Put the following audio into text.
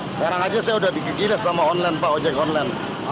sekarang aja saya udah digigilas sama online pak ojek online